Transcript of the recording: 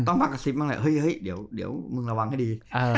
มากระซิบบ้างแหละเฮ้ยเดี๋ยวมึงระวังให้ดี